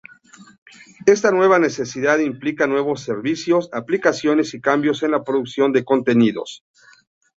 Esta nueva necesidad implica nuevos servicios, aplicaciones y cambios en la producción de contenidos.